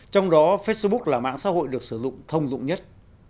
trong đó facebook là mạng xã hội được sử dụng thông dụng nhất